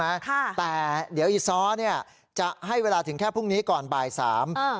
ค่ะแต่เดี๋ยวอีซ้อเนี้ยจะให้เวลาถึงแค่พรุ่งนี้ก่อนบ่ายสามอ่า